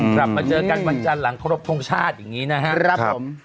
กลับมาเจอกันวันจันทร์หลังครบทรงชาติอย่างนี้นะครับผม